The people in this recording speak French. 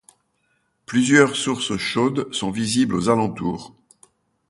Plusieurs sources chaudes sont visibles aux alentours.